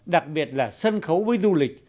đặc biệt là sân khấu với du lịch